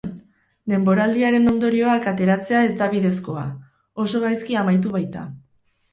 Denboraldiaren ondorioak ateratzea ez da bidezkoa, oso gaizki amaitu baita.